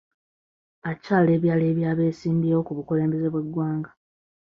Akyaleebyaleebya abeesimbyewo ku bukulembeze bw'eggwanga.